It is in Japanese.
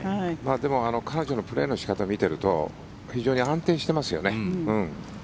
でも彼女のプレーの仕方を見ていると非常に安定していますよね。